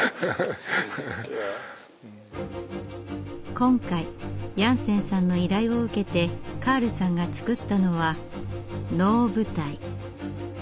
今回ヤンセンさんの依頼を受けてカールさんが造ったのは能舞台。